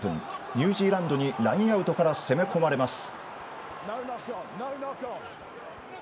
ニュージーランドにラインアウトから攻め込まれます。